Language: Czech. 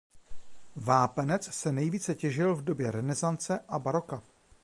Vápenec se nejvíce těžil v době renesance a baroka.